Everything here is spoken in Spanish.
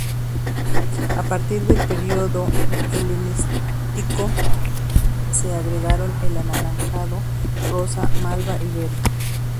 A partir del período helenístico, se agregaron el anaranjado, rosa malva y verde.